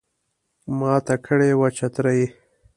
ماته کړي وه چترۍ